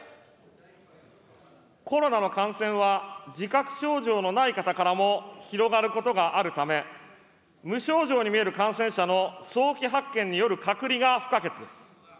コロナの感染は、自覚症状のない方からも広がることがあるため、無症状に見える感染者の早期発見による隔離が不可欠です。